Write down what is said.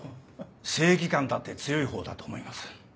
正義感だって強い方だと思います。